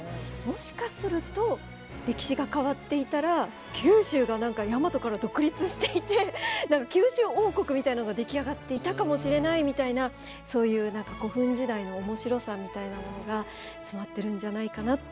もしかすると歴史が変わっていたら九州が何かヤマトから独立していて九州王国みたいなのが出来上がっていたかもしれないみたいなそういう何か古墳時代の面白さみたいなものが備わってるんじゃないかな。